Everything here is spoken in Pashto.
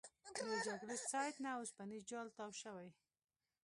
د جګړې سایټ نه اوسپنیز جال تاو شوی.